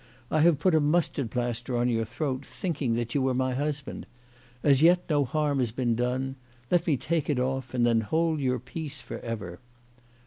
I have put a mustard plaster on your throat, thinking that you were my husband. As yet no harm has been done. Let me take it off, and then hold your peace for ever."